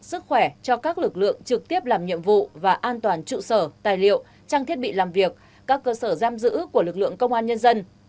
sức khỏe cho các lực lượng trực tiếp làm nhiệm vụ và an toàn trụ sở tài liệu trang thiết bị làm việc các cơ sở giam giữ của lực lượng công an nhân dân